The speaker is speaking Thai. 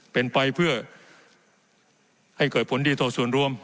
เป็นไปเพื่อให้เกิดผลดีต่อส่วนรวม